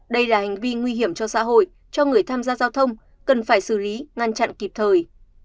đây là hành vi nguy hiểm cho xã hội cho người tham gia giao thông cần phải xử lý ngăn chặn kịp thời